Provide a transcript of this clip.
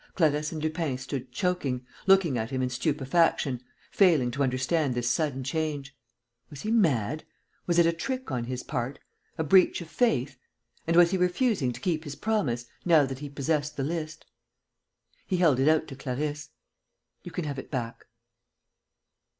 Clarisse and Lupin stood choking, looking at him in stupefaction, failing to understand this sudden change. Was he mad? Was it a trick on his part? A breach of faith? And was he refusing to keep his promise, now that he possessed the list? He held it out to Clarisse: "You can have it back."